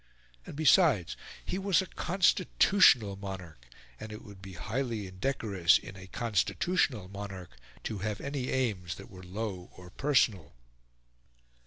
And besides, he was a constitutional monarch; and it would be highly indecorous in a constitutional monarch to have any aims that were low or personal.